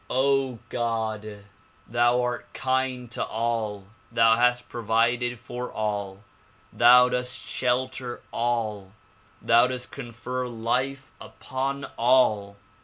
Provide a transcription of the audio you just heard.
God! Thou art kind to all, thou hast provided for all, thou dost shelter all, thou dost confer life upon all.